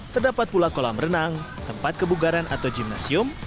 terdapat pula kolam renang tempat kebugaran atau gimnasium